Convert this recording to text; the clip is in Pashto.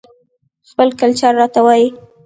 خپل کلچر راته وايى